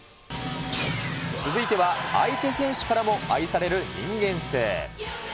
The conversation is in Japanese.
続いては、相手選手からも愛される人間性。